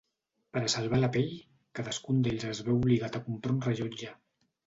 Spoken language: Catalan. Per a salvar la pell, cadascun d'ells es veu obligat a comprar un rellotge.